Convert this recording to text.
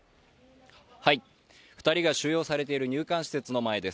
二人が収容されている入管施設の前です